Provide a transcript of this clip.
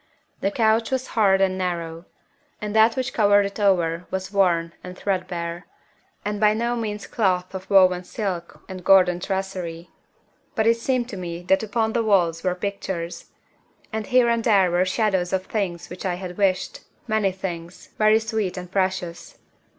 The couch was hard and narrow, and that which covered it over was worn and threadbare, and by no means cloth of woven silk and golden tracery. But it seemed to me that upon the walls were pictures. And here and there were shadows of things which I had wished many things, very sweet and precious.